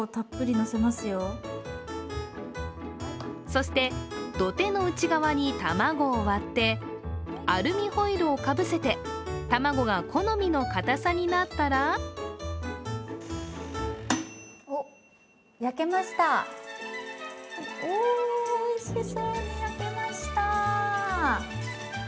そして、土手の内側に卵を割ってアルミホイルをかぶせて卵が好みのかたさになったらおっ、焼けました。